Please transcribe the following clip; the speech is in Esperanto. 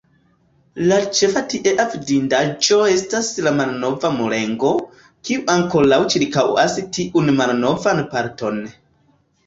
La ĉefa tiea vidindaĵo estas la malnova Murego, kiu ankoraŭ ĉirkaŭas tiun malnovan parton.